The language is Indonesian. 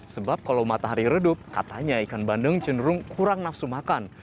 sebab kalau matahari redup katanya ikan bandeng cenderung kurang nafsu makan